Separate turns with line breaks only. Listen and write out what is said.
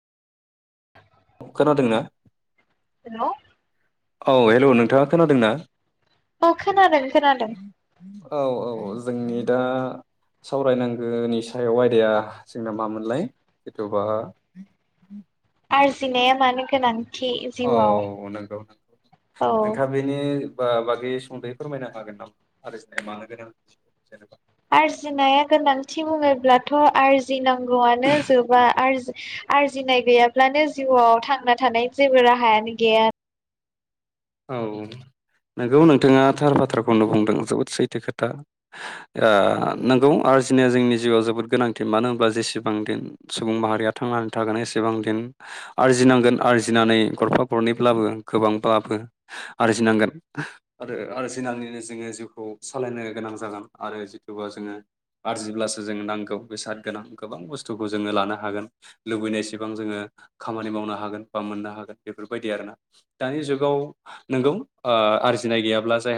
खोनादोंना?
हेलौ
औ हेलौ नोंथाङा खोनादों ना?
औ खोनादों खोनादों।
औ औ जोंनि दा सावरायनांगोनि सायाव आयदाया जोंना मामोनलाय एथुबा
आजिनाया मानो गोनां?
औ नंगौ नंगौ
औ
नोंथाङा बेनि बा बागै संदै फोरमायनो हागोन नामा आर्जिनाया मानो गोनां जेनेबा
आरजिनाया गोनांथि बुङोब्लाथ' आरजिनां गौआनो जोबा आरजि आरजिनाय गैयाब्लानो जिउआव थांना थानाय जेबो राहायानो गैया
औ नंगौ नोंथाङा थार बाथ्राखौनो बुंदों जोबोद सैथो खोथा आ नोंगौ आरजिनाया जोंनि जिउआव जोबोद गोनांथि मानो होनबा जेसेबां दिन सुबुं माहारिया थांनानै थागोन एसेबां दिन आरजिनांगोन आरजिनानै गरफा गरनैब्लाबो गोबांबाफो आरजिनांगोन आरो आरजिनानैनो जोङो जिउखौ सालायनो गोनां जागोन आरो जिटुबा जोङो आरजिब्लासो जों नांगौ बेसाद गोनां गोबां बुस्थुखौ जोङो लानो हागोन लुबैनायसेबां जोङो खामानि मावनो हागोन बा मोननो हागोन बेफोरबायदि आरोना दानि जुगाव नोंगौ आ आरजिनाय गैयाब्ला जाया।